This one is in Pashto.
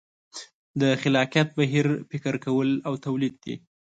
د خلاقیت بهیر فکر کول او تولید دي.